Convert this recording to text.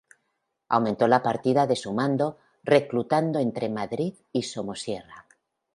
Aumentó la partida de su mando, reclutando entre Madrid y Somosierra.